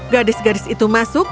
gadis gadis itu masuk